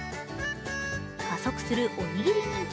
加速するおにぎり人気。